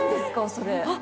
それ。